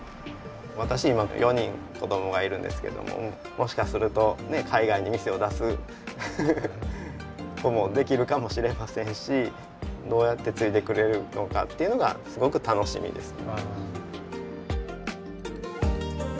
私今４人子どもがいるんですけどももしかすると海外に店を出す子もできるかもしれませんしどうやって継いでくれるのかっていうのがすごく楽しみです。